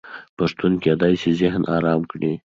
پښتو کېدای سي ذهن ارام کړي.